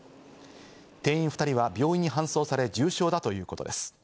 店員２人は病院に搬送され重傷だということです。